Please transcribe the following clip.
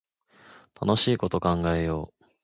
楽しいこと考えよう